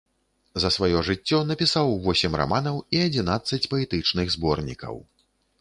За сваё жыццё напісаў восем раманаў і адзінаццаць паэтычных зборнікаў.